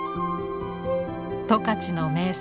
十勝の名産